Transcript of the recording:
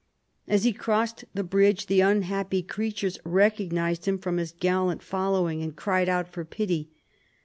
As he crossed the bridge the unhappy creatures recognised him from his gallant following, and cried out for pity.